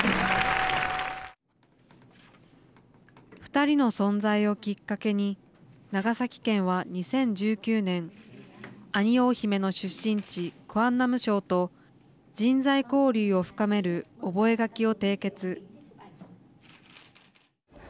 ２人の存在をきっかけに長崎県は２０１９年アニオー姫の出身地クァンナム省と人材交流を深める覚書を締結。